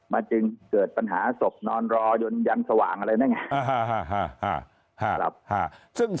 มันจึงเกิดปัญหาศพนอนรอยนยันสว่างอะไรนั่นไง